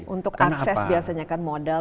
untuk akses biasanya kan modal